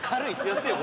「やってよ」